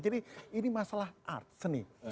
jadi ini masalah art seni